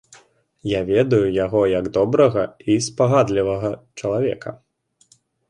Я ведаю яго як добрага і спагадлівага чалавека.